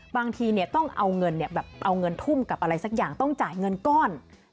บางทีต้องเอาเงินเอาเงินทุ่มกับอะไรสักอย่างต้องจ่ายเงินก้อน